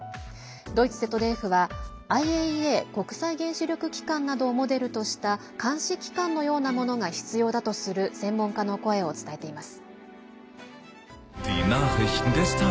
ドイツＺＤＦはＩＡＥＡ＝国際原子力機関などをモデルとした監視機関のようなものが必要だとする専門家の声を伝えています。